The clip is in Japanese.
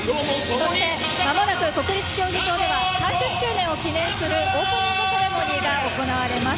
そして、まもなく国立競技場では３０周年を記念するオープニングセレモニーが行われます。